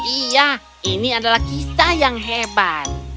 iya ini adalah kisah yang hebat